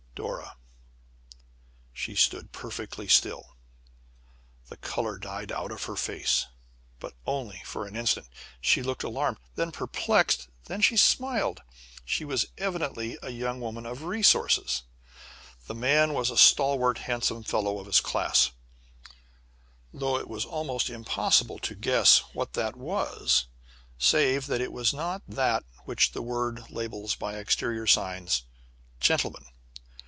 "Dora!" She stood perfectly still. The color died out of her face; but only for an instant. She looked alarmed, then perplexed, and then she smiled. She was evidently a young woman of resources. The man was a stalwart handsome fellow of his class though it was almost impossible to guess what that was save that it was not that which the world labels by exterior signs "gentleman."